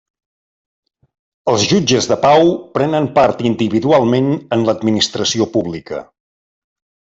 Els jutges de pau prenen part individualment en l'administració pública.